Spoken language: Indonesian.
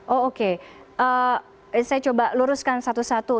oh oke saya coba luruskan satu satu